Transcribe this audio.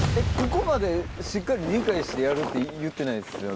ここまでしっかり理解して「やる」って言うてないです。